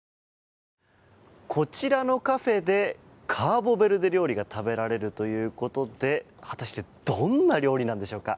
こちらのカフェでカボベルデ料理が食べられるということで果たしてどんな料理なんでしょうか。